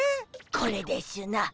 これでしゅな。